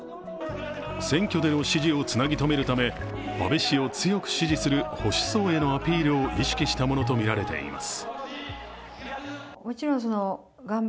選挙での支持をつなぎとめるため、安倍氏を強く支持する保守層へのアピールを意識したものとみられています。